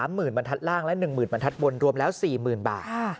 ๓หมื่นบรรทัดล่างและ๑หมื่นบรรทัดบนรวมแล้ว๔หมื่นบาท